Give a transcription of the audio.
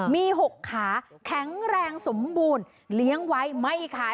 มี๖ขาแข็งแรงสมบูรณ์เลี้ยงไว้ไม่ขาย